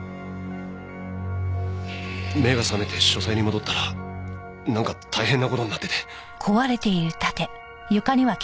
目が覚めて書斎に戻ったらなんか大変な事になってて。